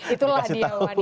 itulah dia wanita